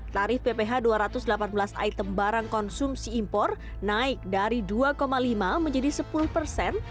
tarif pph dua ratus delapan belas item barang konsumsi impor naik dari dua lima menjadi sepuluh persen